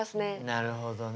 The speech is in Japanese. なるほどね。